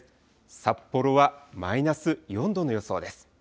札幌はマイナス４度の予想です。